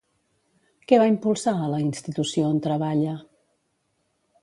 Què va impulsar a la institució on treballa?